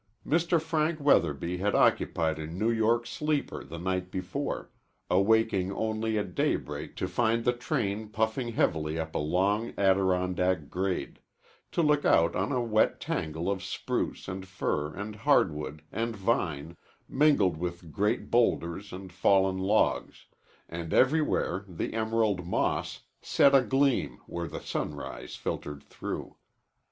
Mr. Frank Weatherby had occupied a New York sleeper the night before, awaking only at daybreak to find the train puffing heavily up a long Adirondack grade to look out on a wet tangle of spruce, and fir, and hardwood, and vine, mingled with great bowlders and fallen logs, and everywhere the emerald moss, set agleam where the sunrise filtered through.